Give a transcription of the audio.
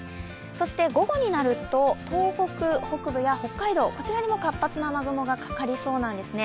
そして午後になると、東北北部や北海道にも活発な雨雲がかかりそうなんですね。